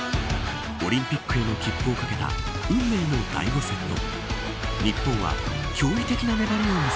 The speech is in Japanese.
オリンピックへの切符を懸けた運命の第５セット。